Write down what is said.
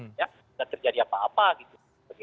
tidak terjadi apa apa gitu